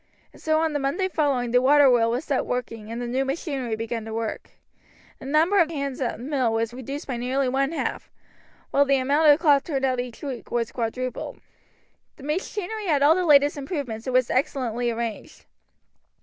And so on the Monday following the waterwheel was set going and the new machinery began to work. The number of hands at the mill was reduced by nearly one half, while the amount of cloth turned out each week was quadrupled. The machinery had all the latest improvements, and was excellently arranged.